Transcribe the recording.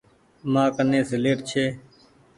مآڪني سيليٽ ڇي۔